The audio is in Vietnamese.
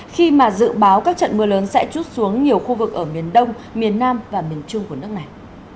khi mà dự báo các trận mưa lớn sẽ chút xuống nhiều khu vực ở miền đông miền nam và miền trung của nước này